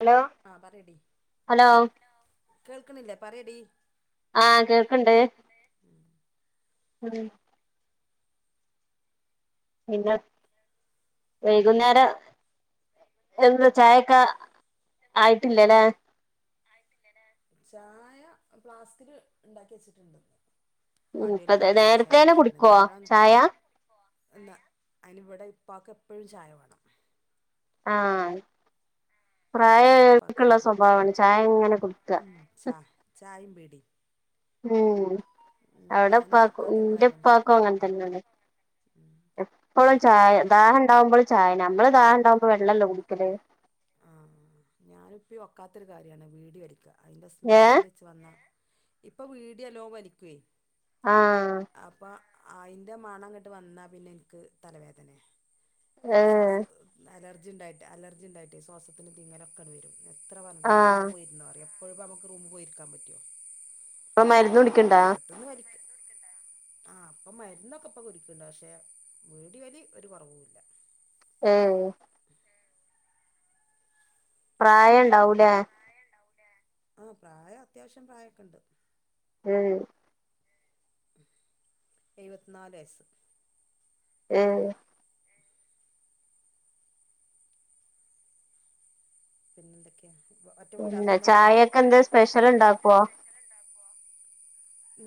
Hello. ആഹ് പറയെടി. Hello. കേൾക്ണില്ലേ പറയെടി? ആഹ് കേൾക്ണ്ട് ഉം പിന്നെ വൈകുന്നേര എന്താ ചായക്കെ ആയിട്ടില്ലല്ലേ? ചായ പ്ലാസ്കില് ഇണ്ടാക്കി വെച്ചിട്ട്ണ്ട്. ഉം അതെ നേരത്തേന്നെ കുടിക്കുവോ ചായ? ഇല്ല അയിനിവിടെ ഇപ്പാക്ക് എപ്പഴും ചായ വേണം. ആഹ് ഭർത്താവിൻ്റെ ഉപ്പാക്ക് പ്രായായോർക്ള്ള എപ്പോഴും സ്വഭാവാണ് ചായ ഇങ്ങനെ കുടിക്ക. ഉം ചാ ചായിം ബീടി. ഉം അവിടെ ഞാൻ ഇപ്പാക്കു ഒക്കാത്തൊരു ഇന്റെ കാര്യമാണ് ഇപ്പാക്കും അങ്ങനെ തന്നെയാണ്. ഇവിടെ എപ്പളും ഇപ്പി ചായ ഞാനും ഒക്കെ ദാഹം ഇണ്ടാവുമ്പളും ചായ നമ്മള് ദാഹം ഇണ്ടാകുമ്പോ വെള്ളല്ലേ കുടിക്കല്? ആഹ് ഞാനി ഇപ്പി ഒക്കാത്തൊരു കാര്യാണ് വീടിവലിക്ക അയിന്റെ ഏഹ് സ്മെല്ല് ച്ച് വന്ന ഇപ്പ വീടിയല്ലോ വലിക്കുവേ? ആഹ് അപ്പ അയിൻ്റെ മണം ഇങ്ങട്ട് വന്നാ പിന്നെ ഇൻക്ക് തലവേദനേ ശ്വാസ് ഏഹ് അലർജി ഇണ്ടായിട്ട് അലർജി ഇണ്ടായിട്ട് ശ്വാസത്തിന് തിങ്ങനൊക്കട് വരും എത്ര പറ്ഞ്ഞ്ണ്ട ഇജ് ആഹ് റൂമ് പോയിരുന്നോന്ന് പറയും എപ്പളും ഇപ്പ നമ്മക്ക് റൂമ് പോയിരിക്കാൻ പറ്റുവോ പ്പ മരുന്നുടി അകത്ത്ന്ന് വലിക്ക ആഹ് ഇപ്പ മരുന്നൊക്കെ ഇപ്പ കുടിക്ക്ണ്ട് പക്ഷെ വീടി വലി ഒരു കൊറവൂല്ല ഏഹ് പ്രായണ്ടാവുലേ ആഹ് പ്രായം അത്യാവശ്യം പ്രായൊക്കെ ഇണ്ട് ഏഹ് എഴുവത്തിനാല് വയസ്സ് ഏഹ് പിന്നെന്തൊക്കെയാ ഒറ്റ വീടാ പിന്നെ സ്വന്തം ചായെക്ക് എന്തേ സ്പെഷ്യല് ഇണ്ടാക്കുവോ ച്ചറണ്ടാക്കുവോ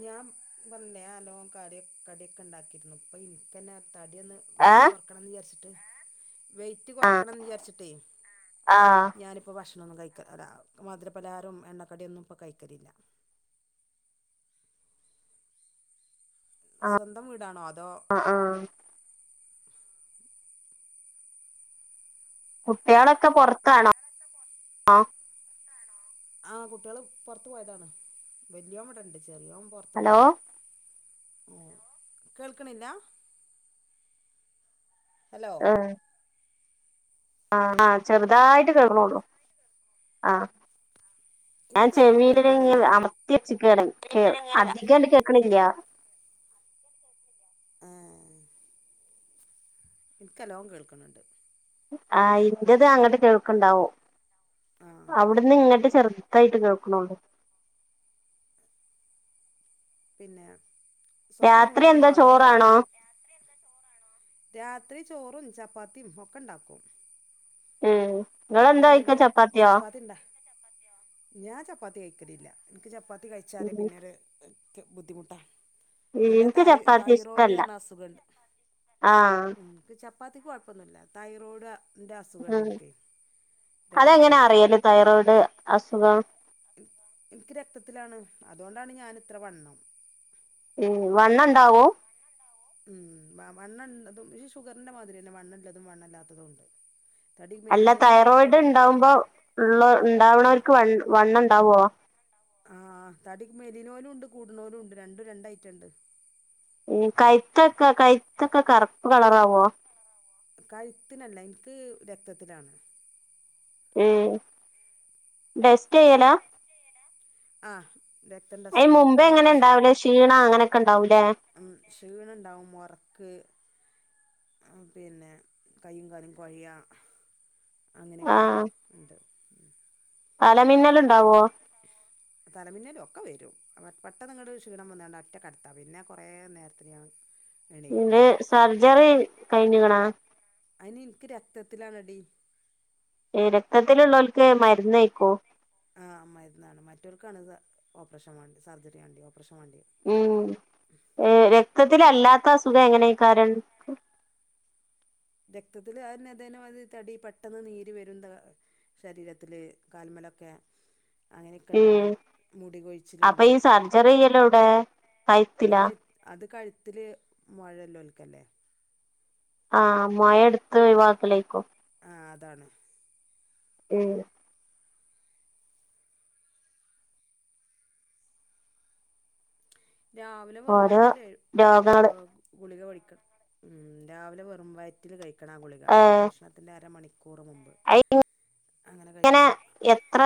ഞാൻ പറഞ്ഞ്ല്ലേ ഞാൻ നല്ലോം കടി കടിയൊക്കെ ഇണ്ടാക്കിരുന്നു ഇപ്പ ഇൻക്കെന്നെ ത ടിയൊന്ന് ഏ വെയിറ്റ് കൊറക്കണംന്ന് വിചാരിച്ചിട്ട് വെയിറ്റ് കൊറക്കണംന്ന് വിചാരിച്ചിട്ടേ ആഹ് ഞാനിപ്പോ ഭക്ഷണൊന്നും കഴിക്ക അതാ മധുരപലഹാരും എണ്ണക്കടിയൊന്നും ഇപ്പ കഴിക്കലില്ല സ്വന്തം വീടാണോ അതോ ആഹ് ആഹ് കുട്ട്യാളൊക്കെ പൊറത്താണോ ക്കെ പൊ ആഹ് ആഹ് കുട്ട്യാള് പൊറത്ത് പോയതാണ് വല്യോൻ ഇവടെ ഇണ്ട് ചെറിയോൻ പൊറത്ത് ഹലോ പോയതാ കേൾക്ക്ണില്ല ഹലോ ആഹ് ആഹ് ചെറുതായിട്ട് കേൾന്നോളൂ ആഹ് ഞാൻ എനിക്ക് നല്ലോണം ചെമീല ഇങ്ങനെ കേൾക്കണ്ടല്ലോ അമത്തി വച്ചകേണ കേ അധികണ്ട് കേക്കണില്ല ആഹ് എനിക്ക്ലോം കേൾക്കുന്നുണ്ട് ആഹ് ഇന്റത് അങ്ങട്ട് കേൾക്കണ്ടാവും ആ അവിടുന്ന് ഇങ്ങട്ട് ചെറു തായിട്ട് കേൾക്കണള്ളൂ പിന്നെ സ്വന്തം രാത്രി വൂടാണോ എന്താ അതോ ചോറാണോ രാത്രി ചോറും ചപ്പാത്തിയും ഒക്കെ ഇണ്ടാക്കും ഉം നിങ്ങളെന്താ ഞാൻ കഴിക്കാ നല്ലോ ചപ്പാത്തിയോ ചപ്പാത്തി ഇണ്ടാ ഞാൻ ചപ്പാത്തി കഴിക്കലില്ല എനിക്ക് ചപ്പാത്തി കഴിച്ചാല് പിന്നെരു ബുദ്ധിമുട്ടാണ് പിന്നെ എനിക്ക് തൈ ചപ്പാത്തി ഇഷ്ടല്ല തൈറോയ്ഡറഞ്ഞ അസുഖുണ്ട് ആ ഉം എനിക്ക് ചപ്പാത്തിക്ക് കുഴപ്പന്നുല്ല തൈറോയ്ഡ്ൻ്റെ അസുഖം ഉണ്ടെനിക്ക് അതെങ്ങനെ അറിയല് തൈറോയിഡ് അസുഖം എനിക്ക് രക്തത്തിലാണ് അതുകൊണ്ടാണ് ഞാൻ ഇത്ര വണ്ണം ഉം വണ്ണ ഉണ്ടാവോ ഉം വണ്ണണ്ള്ളതും പെ ഷുഗറിന്റെ മാതിരി തന്നെ വണ്ണള്ളതും വണ്ണല്ലാത്തതും ഉണ്ട് തടി അല്ല മെലിയുന്നതും ഉണ്ട് തൈറോയിഡ് തടി ഉണ്ടാവുമ്പോ ഉള്ള ആ ഉണ്ടാവുന്നവർക്ക് വ വണ്ണം ഉണ്ടാവോ ആഹ് തടി മെലിനോലും ഉണ്ട് കൂടനോലും ഉണ്ട് രണ്ടും രണ്ട ഐറ്റം ഉണ്ട് ഈ കഴത്തൊക്കെ കഴത്തൊക്കെ കറുപ്പ് കളറാവോ കഴുത്തിനല്ല എനിക്ക് രക്തത്തിലാണ് ടെസ്റ്റ്യ്യലാ ആഹ് അയ്ന് മുമ്പേങ്ങനെണ്ടാവല് ക്ഷീണ അങ്ങനൊക്കെണ്ടാവൂല്ലേ ഉം ക്ഷീണണ്ടാവും ഒറക്ക് ആഹ് പിന്നെ കയ്യുംകാലും കോഴയാ അങ്ങനൊക്കെണ്ട്. തലമിന്നല്ണ്ടാവോ? തലമിന്നലുംഒക്ക വരും പെട്ടന്ന്ങ്ങട് ക്ഷീണം വന്നാണ്ട് ഒറ്റക്കെടത്താ പിന്ന കൊറേ നേരത്ത്ങ്ങണെ പിന്ന സെർജറി കയ്ഞ്ക്ക്ണാ അയ്ന് ഇനിക്ക് രക്തത്തിലാണടി ഏഹ് രക്തത്തില്ള്ളോൽക്ക് മര്ന്നയ്ക്കും. ആഹ് മര്ന്നാണ് മറ്റോൽക്കാണ് ഓപ്പറേഷൻ വാണ്ട്യെ സെർജറി വേണ്ടിയെ ഒപ്പറേഷൻ വാണ്ടിയെ ഉം എ രക്തത്തിലല്ലാത്ത അസുഖം എങ്ങനയ്ക്കാരം രക്തത്തില് അന്നെതെന്നെമാതിരി പെട്ടന്ന് നീര് വരും ന്താ.. ശരീരത്തില് കാല്മലൊക്കെ ഉം അങ്ങനെക്കെണ്ടാവും മുടി അപ്പൊ കൊഴിച്ചില്ണ്ട് ഈ സർജറി ചെയ്യലെവിടെ അത് കഴുത്തിലാ കഴി അത് കഴ്ത്തില് മൊഴള്ളോല്ക്കല്ലേ ആഹ് മൊഴെട്ത്ത് ഒഴിവാക്കലേക്കും. ആഹ് അതാണ്. ഉം രാവിലെ വെറും ഓരോ വയറ്റില് ഓ രോഗങ്ങള് ഗുളിക കഴിക്കണം ഉം രാവിലെ വെറും വയറ്റ വയറ്റില് കഴിക്കണാഗുളിക ഭക്ഷണത്തിൻ്റെ അരമണിക്കൂറ് മുമ്പ് അയ്ന് അങ്ങനെ ങ്ങനെ കഴിക്കണം എത്ര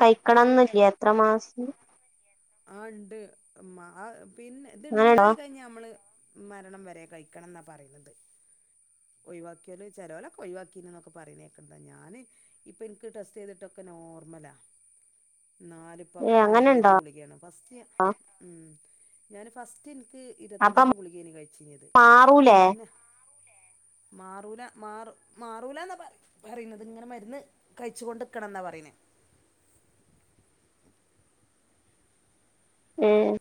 കയിക്കണംന്ന്ല്ലേ എത്ര മാസ്ത്തിന് ആ ണ്ട് മ് അ പിന്നെ ഇത് അങ്ങനെണ്ടോ ണ്ടായി കയിഞ്ഞ മ്മള് മരണം വരെ കഴിക്കണംന്നാ പറിന്നത് ഒയ് വാക്ക്യോല് ചെലൊലൊക്കെ ഒയ് വാക്കീണ്ന്നൊക്കെ പറിണേക്ക്ണ്ത ഞാന് ഇപ്പ ഇൻക്ക് ടെസ്റ്റെയ്തിട്ടൊക്കെ നോർമലാ ന്നാലും ഏഹ് ഇപ്പ അങ്ങനെണ്ടോ അൻപതിന്റെ ഗുളിഗ്യെണ് ഫസ്റ്റ് ഉംഞാന് ഫസ്റ്റ്ൻക്ക് അപ്പൊ ഇരത്തഞ്ചിന്റെ ഗുളികേന് കഴിച്ചീന്നെത് മാറൂലേ പിന്നെ മാറൂല മാറും മാറൂലാന്നാ പറയി പറയിണത് ഇങ്ങനെമര്ന്ന് കഴിച്ചുകൊണ്ട്ക്കണംന്നാ പറയിണേ ഉം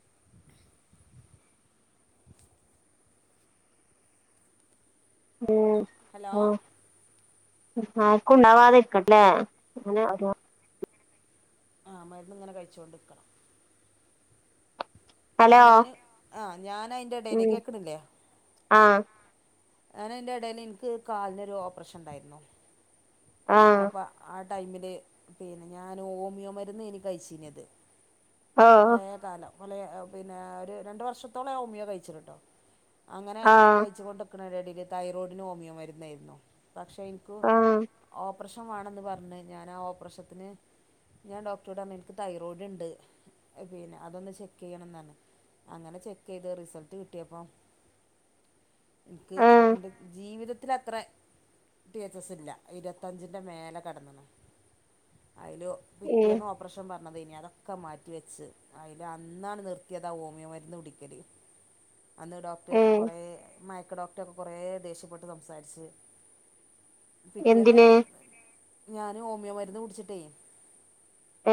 ഉം ഹലോ ആർക്കുണ്ടാവാതിരിക്കട്ടേല്ലെ ഇങ്ങനെ ഓരോ ആ മര്ന്ന്ങ്ങനെ കഴിച്ചോണ്ട്ക്കണം. അഹ് ഹലോ ഞാന് ആഹ് ഞാനയ്ന്റെടേലേ ഉം കേക്ക്ണ്ല്ലേ? ആഹ് ഞനയ്ൻ്റെടേല് ഇന്ക്ക് കാല്നൊരു ഓപ്പറേഷണ്ടായിരുന്നു. ആഹ് അപ്പ ആ ടൈമില് പിന്നെ ഞാന് ഓമിയോ മരുന്നേനി കയ്ച്ചീന്യത്. ഓഹ് കൊറേ കാലം കൊലേ പിന്നെ ഒരു രണ്ട് വർഷത്തോളം ഞാൻ ഓമിയോ കഴിച്ച്ണ് ട്ടൊ അങ്ങനെ ആഹ് കഴിച്ചുകൊണ്ട് ക്ക്ണെന്റെഡേല് തൈറോയ്ടിന് ഓമിയോ മര്ന്നെർന്നു പക്ഷെഇന്ക്ക് ആഹ് ഓപ്പറഷൻ വേണന്ന് പർഞ് ഞാനാ ഓപ്പറേഷത്തിന് ഞാൻ ഡോക്ടറോടർഞ് ഇൻക്ക് തൈറോയ്ട്ണ്ട് പിന്നെ അതൊന്ന് ചെക്കെയ്യണംന്നർഞ്, അങ്ങനെ ചെക്കെയ്ത് റിസൾട്ട് കിട്ടിയപ്പം ഇൻക്ക് ആഹ് ഇന്റെ ജീവിതത്തിലത്ര ടി എച്ച് എസ് ഇല്ല ഇരുവത്തഞ്ച്ന്റെ മേലെ കടന്ന്ണ് അയ്ല് ഏഹ് പിറ്റേന്നോ ഒപ്പറേഷൻ പറഞ്ഞതെഞ്ഞി പ്രഷൻ പർഞ്ഞതേനി അതൊക്കെ മാറ്റി വെച്ച് അയ്ല് അന്നാണ് നിർത്തിയതാ ഓമിയോ മര്ന്ന് കുടിക്കല് അന്ന് ഡോക്റ്റ് ഏഹ് കൊറേ മയക്ക് ഡോക്റ്റൊക്കെ കൊറേ ദേഷ്യപ്പെട്ട് സംസാരിച്ച് പിറ്റേന്ന് എന്തിന് ഞാന് ഓമിയോ മരുന്ന് കുടിച്ചിട്ടേ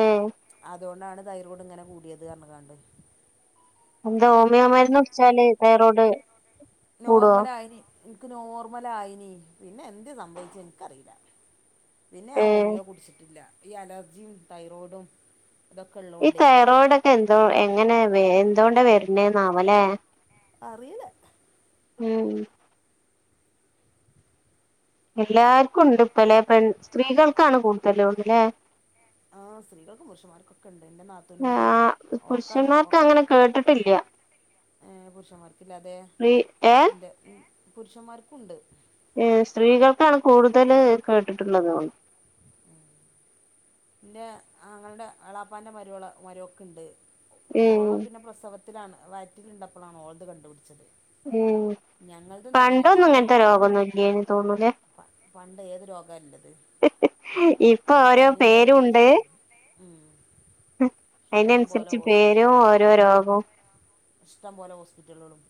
ഏഹ് അതോണ്ടാണ് തൈറോയ്ഡ്ങ്ങനെ കൂടിയെത്അർഞ്ക്കാണ്ട് എന്താ ഹോമിയോമര്ന്നുട്ച്ചാല് തൈറോഡ് നോർമലായിന് ഇൻക്ക് നോർമലായിനി പിന്നെന്തേ സംഭവിച്ചെ ഇൻക്കറീല പിന്ന ഞാൻ ഏഹ് ഓമിയോ കുടിച്ചിട്ടില്ല ഈ അലർജിയും തൈറോഡും ഈ തൈറോയ്ഡൊക്കെ എന്തോ എങ്ങനെ എന്തോണ്ട വര്ണേന്നാവൊ ലേ അറീല ഉം എല്ലാര്ക്കുണ്ട്പ്പലേ പെൺ സ്ത്രീകൾക്കാണ് കൂടുതലോണ് ലേ ആ സ്ത്രീകൾക്കും പുരുഷന്മാർക്കൊക്കെണ്ട് എന്റെ നാത്തൂന്ണ്ട് ഓക്കാണ് ഓക്കണ് കേട്ട്ട്ട്ല്ല്യ ഏഹ് പുരുഷന്മാർക്കില്ലാതേ.. സ്ത്രീ ഏഹ് ന്റെ പുരുഷന്മാര്ക്കുണ്ട് ഏ സ്ത്രീകൾക്കാണ് കൂടുതല് കേട്ടിട്ടുള്ളതോൺ ന്റെ ആങ്ങളന്റെ എളാപ്പാന്റെ മരോളെ മരോക്ക്ണ്ട്, ഓള് പിന്നെ പ്രസവ ത്തിലാണ് വയറ്റില്ള്ളപ്പളാണ് ഓൾത് കണ്ടുപിടിച്ചത് ഉം ഞങ്ങളതൊന്നും അങ്ങനെയല്ല പണ്ടൊന്നും ഞങ്ങളതൊക്കെ ഇങ്ങൻത്തെ ഇങ്ങനെ രോഗൊന്നുല്ലേനി തോന്നൂലേ പ പണ്ട് ഏത് രോഗാല്ലത് ഇപ്പൊ ഓരോ പേരുണ്ട് ജലദോഷം ഉം ഇഷ്ടം അയ്നൻസര്ച്ച് പേരും ഓരോ രോഗും ഇഷ്ടംപോലെ ഹോസ്പിറ്റല്കളും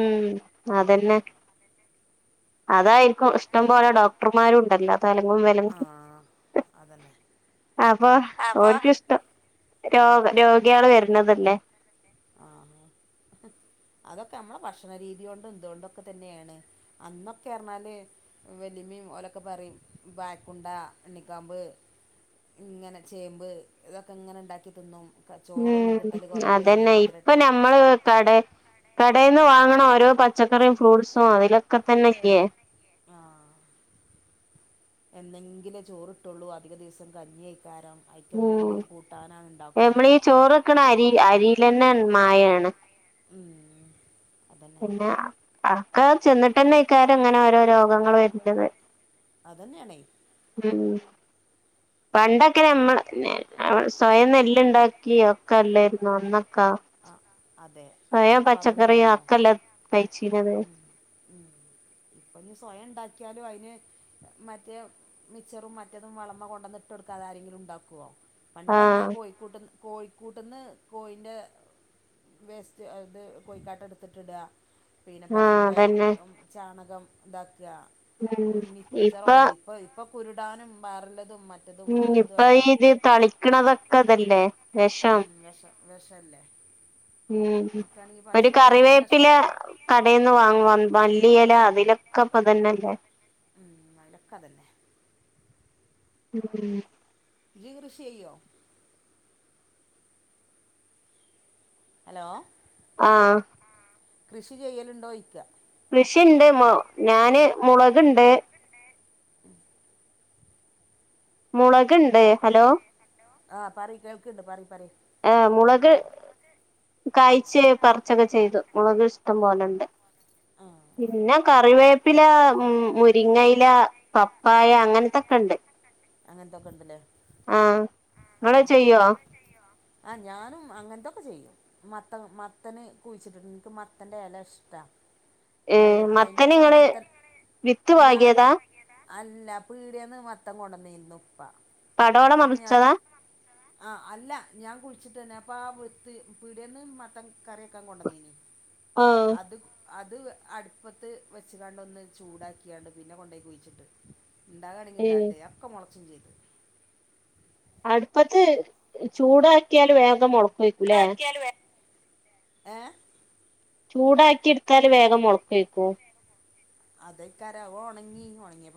ഉം അതന്നെ അതായിരിക്കും ഇഷ്ടംപോലെ ഡോക്ടർമാരുംണ്ടല്ലോ തെൽങ്ങും വെൽ ആഹ് അതന്നെ അപ്പൊ അപ്പൊ ഓൽക്കിഷ്ടം രാേഗ് രോഗ്യാള് വര്ന്നതല്ലേ ആന്ന് അതൊക്കെ നമ്മളെ ഭക്ഷണ രീതി കൊണ്ടും ഇതോണ്ടൊക്കെതന്നേണ് അന്നൊക്കെ അർഞ്ഞാല് വല്ലിമ്മിം ഓലൊക്കെ പറിം വാഴ്ക്കുണ്ട ഇണ്ണിക്കാമ്പ് ഇങ്ങനെ ചേമ്പ് ഇതൊക്കെ ഇങ്ങനെ ഇണ്ടാക്കി ത് ന്നും ചോറൊന്നും കിട്ടല് കാെറവെയ്നി മ നമ്മള് കടേ കടേന്ന് വാങ്ങ്ണ ഓരോ പച്ചക്കറിം ഫ്രൂട്ട്സും അയ്ലൊക്കെ തന്നെല്ലേ ആഹ് എന്നെങ്കിലും ചോറ്ട്ടൊള്ളൂ അധിക ദിവസം കഞ്ഞ്യയ് ക്കാരം ഉം അയ്ക്കെന്തെങ്കിലും കൂട്ടാനാ ഇണ്ടാക്കും നമ്മളീ ചോറ് വെക്കണ അരി അരിയിലന്നെ മായാണ് ഉം അതന്നെ പിന്നാ ആക്കാ ചെന്നിട്ട്ന്നെയ്ക്കാരം ഇങ്ങനെ ഓരോ രോഗങ്ങള് വര്ത് ന്ന് ഞണെയ് ഉം [inaudible] പണ്ടൊക്കെ നമ്മ സ്വയം നെല്ല്ണ്ടാക്കി ഒക്കെ അല്ലേയ്രുന്നാേ അന്നക്കാ ആഹ് അതെ ഇപ്പ അതൊന്നും ഇല്ലല്ലോ ഒക്കെല്ലേ കഴിച്ചീനത് ഉം ഉം ഇപ്പൊ ഞ്ഞി സ്വയം ഇണ്ടാക്ക്യാലും അയ്ന് മറ്റേ മിച്ചറും മറ്റെതും വളമ കൊണ്ടന്ന് ഇട്ടാെട്'ക്കാതെ ആരെങ്കിലും ഇണ്ടാക്കാേ പണ്ട് അർഞാൽ ആഹ് കോഴിക്കൂട്ട്ന്ന് കോഴിക്കൂട്ട്ന്ന് കോഴിന്റെ വേസ്റ്റ് അത് കോഴിക്കാട്ട ഇട്ത്ത് ഇടാ പിന്നെ ആഹ് പശുവിൻ്റെ അതന്നെ ചാണകം ഇണ്ടാക്കാ ഉം അഹ്മിച്ചറോ ഇപ്പൊ ല്ലെ ഇപ്പ ഇപ്പ കുരുടാനും വാറല്ലതും മറ്റ് റ്റതും ഉം മർച്ചതുും ഇപ്പൊ ആയിട്ട് ഇത് തളിക്കണതൊക്കെ ഇതല്ലേ വെഷം ഉം വെഷം വെഷല്ലേ ഉം ഒരു എല്ലാം കറിവേപ്പില ഇഷ്ടമാണ് കടേന്ന് വാങ്ങാേ മല്ലിയെല അതിലൊക്കെ പ്പ അതന്നല്ലേ ഉം അയ്ലൊക്കെ അതന്നെ ഉം ഇജും കൃഷെയ്യോ ഹലോ ആഹ് കൃഷി ചെയ്യലുണ്ടോയ്ക്കാ കൃഷിണ്ട് മാെ ഞാന് മുളക്ണ്ട് മുളക്ണ്ട് ഹലോ ആ പറി കേൾക്കണ്ട് പറി പറി ആഹ് മുളക് കഴ്ച് പർച്ചൊക്കെ ചെയ്തു മുളക് ഇഷ്ടം പോലെണ്ട് ആ പിന്നെ കറിവേപ് പ്പില മും മുരിങ്ങയില പപ്പായ അങ്ങൻത്തൊക്കെ ഇണ്ട് അങ്ങനൻത്തൊക്കെണ്ട്ലേ ആഹ് ഇങ്ങളവ്ടെ അഅ് ചെയ്യോ ആഹ് ഞാനും അങ്ങൻത്തൊക്കെ ചെയ്യും മത്ത മത്തന് കുഴിച്ചിട്ടുണ്ട് എനിക്ക് മത്തന്റെ എല ഇഷ്ടാ. വെള്ള ഏഹ് അയിന്റെ മത്തന് ആ ഇങ്ങള് മത്തൻ വിത്ത് ഞാന് പാകിയതാ അല്ല പീടിയേന്ന് മത്തം കൊണ്ടന്നീരുന്നു ഉപ്പാ പടോടെ അപ്പൊ ഞാ മറിച്ചതാ ആഹ് അല്ല. ഞാൻ കുളിച്ചിട്ട് തന്നെ അപ്പം ആ വിത്ത് പീടിയേന്ന് മത്തം കറി വക്കാൻ കൊണ്ടുവന്നീനി ആഹ് അത് അത് അടുപ്പത്ത് വെച്ചുകണ്ടൊന്ന് ചൂടാക്കിയാണ്ട് പിന്നെ കൊണ്ടോയി കുഴിച്ചിട്ട്. ഇണ്ടാകാണെങ്കിൽ ഏഹ് ണ്ടാവട്ട ഒക്കെ മുളച്ചും ചെയ്തു. അടുപ്പത്ത് ചൂടാക്കിയാല് വേഗം മുളക്കയി അക്കിയാല് വേ ഏ ചൂടാക്കി എടുത്താല് വേഗം മുളക്കയിരിക്കൊ അതെക്കാര ഓ ഒണങ്ങി ഒണങ്ങിയ.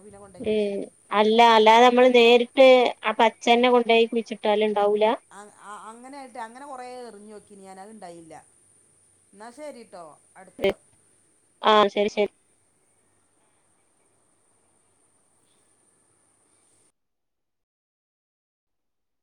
അല്ല അല്ലാതെ നമ്മള് നേരിട്ട് അ പച്ചനെ കൊണ്ടയി കുടിച്ചിട്ടാല് ഉണ്ടാവൂല. അങ് അ അങ്ങനെ ആയിട്ട് അങ്ങനെ കൊറേ എറിഞ്ഞു നോക്കി ഞാന് അത് ഇണ്ടായില്ല. എന്നാ ശരിട്ടോ അടുത്ത. ആഹ് ശരി ശരി